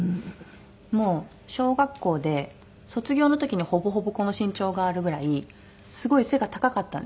もう小学校で卒業の時にほぼほぼこの身長があるぐらいすごい背が高かったんですよ。